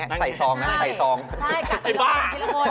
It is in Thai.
เราจะเห็นอันนู้นเยอะนะ